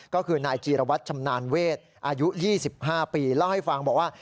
ก็คือนายจีรวัตรชำนาญเวทอายุ๒๕ปีเล่าให้ฟังบอกว่า